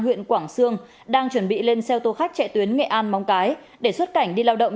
huyện quảng sương đang chuẩn bị lên xe ô tô khách chạy tuyến nghệ an mong cái để xuất cảnh đi lao động